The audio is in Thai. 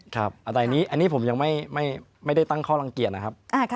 แต่อันนี้ผมยังไม่ได้ตั้งข้อลังเกียจนะครับ